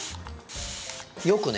よくね？